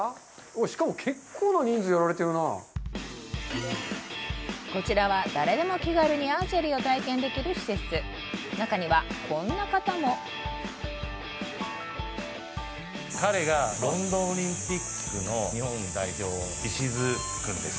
しかも結構な人数やられてるなこちらは誰でも気軽にアーチェリーを体験できる施設中にはこんな方も彼がロンドンオリンピックの日本代表石津くんです